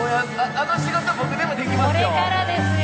あの仕事僕でもできますよ。